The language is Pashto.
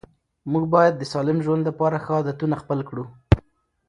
موږ باید د سالم ژوند لپاره ښه عادتونه خپل کړو